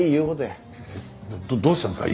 どどうしたんですか？